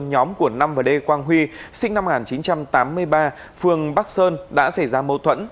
nhóm của năm và lê quang huy sinh năm một nghìn chín trăm tám mươi ba phường bắc sơn đã xảy ra mâu thuẫn